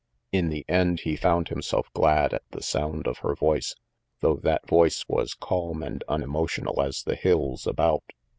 In the end, he found himself glad at the sound of her voice, though that voice was calm and unemo tional as the hills about.